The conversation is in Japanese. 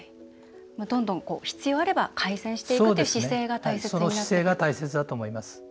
どんどん必要あれば改善していくっていう姿勢が大切になってきますね。